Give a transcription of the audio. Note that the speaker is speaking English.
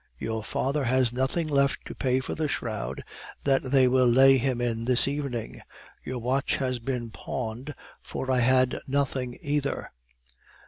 Your father has nothing left to pay for the shroud that they will lay him in this evening. Your watch has been pawned, for I had nothing either."